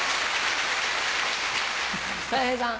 たい平さん。